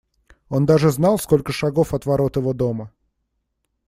Он даже знал, сколько шагов от ворот его дома.